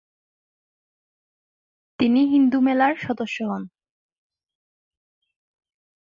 তিনি তিনি হিন্দু মেলার সদস্য হন।